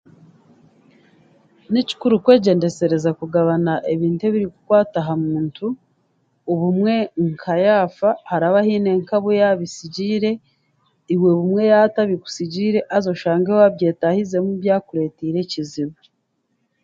Ni kikuru kwegendesereza kugabana ebintu ebiri kukwata aha muntu, obumwe nka yaafa haraba heine nkabu y'abisigiire iwe obumwe y'abatabikusigiire haza oshange w'abyetaahizemu byakuretiire ekizibu.